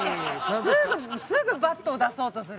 すぐすぐバットを出そうとする。